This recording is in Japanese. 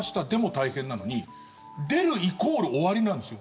大変なのに出るイコール終わりなんですよ。